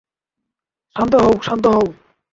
শান্ত হও, শান্ত হও।